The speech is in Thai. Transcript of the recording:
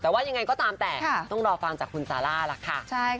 แต่ว่ายังไงก็ตามแต่ต้องรอฟังจากคุณซาร่าล่ะค่ะ